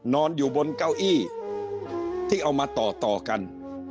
นอนอยู่บนเก้าอี้ที่เอามาต่อกัน